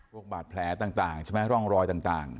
บาดแผลต่างใช่ไหมร่องรอยต่าง